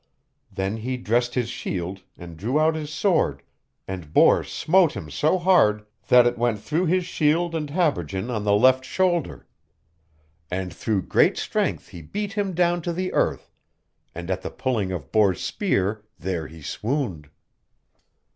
Then he dressed his shield, and drew out his sword, and Bors smote him so hard that it went through his shield and habergeon on the left shoulder. And through great strength he beat him down to the earth, and at the pulling of Bors' spear there he swooned.